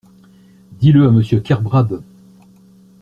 Dis-le à Monsieur Kerbrad.